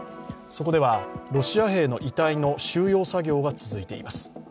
そこではロシア兵の遺体の収容作業が続いています。